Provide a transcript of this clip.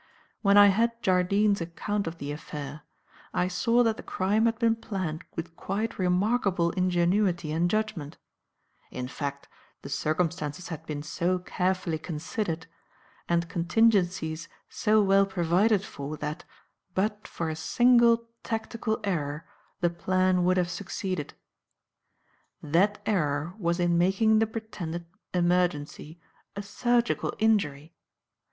When I had Jardine's account of the affair, I saw that the crime had been planned with quite remarkable ingenuity and judgment; in fact, the circumstances had been so carefully considered, and contingencies so well provided for that, but for a single tactical error the plan would have succeeded. That error was in making the pretended emergency a surgical injury.